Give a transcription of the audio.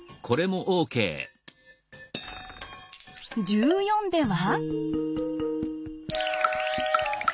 １４では。